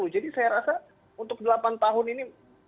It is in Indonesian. jadi saya rasa untuk delapan tahun ini